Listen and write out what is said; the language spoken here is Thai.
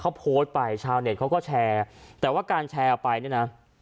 เขาโพสต์ไปชาวเน็ตเขาก็แชร์แต่ว่าการแชร์ออกไปเนี่ยนะ